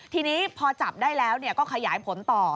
ทีนี้พอจับได้แล้วก็ขยายผลต่อ